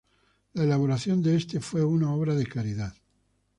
La elaboración de este fue una obra de caridad.